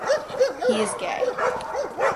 He is gay.